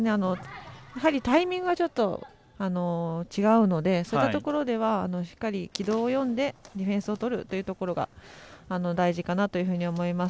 タイミングが少し違うのでそういったところではしっかり軌道を読んでディフェンスすることが大事かなと思います。